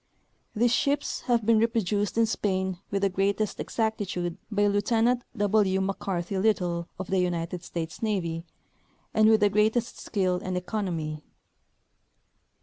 These ships have been reproduced in Spain Avith the greatest exactitude by Lieutenant W. McCarty Little, of the United States Navy, and with the greatest skill and economy.